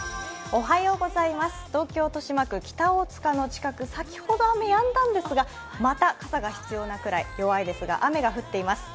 東京・豊島区北大塚の近く、先ほど雨、やんだんですがまた傘が必要なくらい弱いですが雨が降っています。